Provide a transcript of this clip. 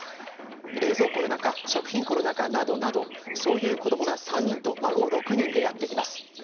冷蔵庫の中、食品庫の中などなどそういう子どもが３人と孫６人でやって来ます。